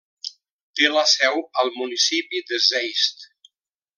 Té la seu al municipi de Zeist.